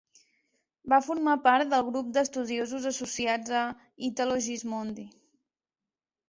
Va formar part del grup d'estudiosos associats a Italo Gismondi.